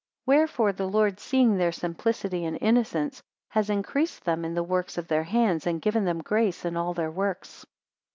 212 Wherefore the Lord seeing their simplicity and innocence, has increased them in the works of their hands, and given them grace in all their works.